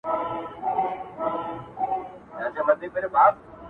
د ځان وژني د رسۍ خریدارۍ ته ولاړم!